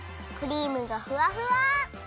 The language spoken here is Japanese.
クリームがふわふわ！